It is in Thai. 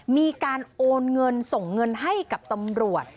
มีการโอนเงินส่งเงินให้กับตำรวจ